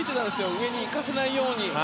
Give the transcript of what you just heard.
上に行かせないように。